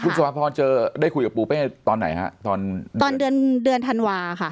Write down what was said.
คุณสุภาพรเจอได้คุยกับปูเป้ตอนไหนฮะตอนตอนเดือนเดือนธันวาค่ะ